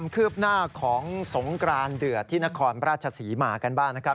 คืบหน้าของสงกรานเดือดที่นครราชศรีมากันบ้างนะครับ